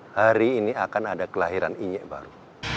hari ini akan ada kelahiran inyek baru